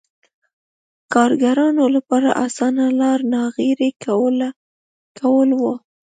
کارګرانو لپاره اسانه لار ناغېړي کول و.